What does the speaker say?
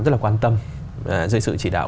rất là quan tâm dưới sự chỉ đạo